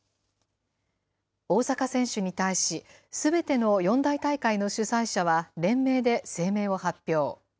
大坂選手に対し、すべての四大大会の主催者は連名で声明を発表。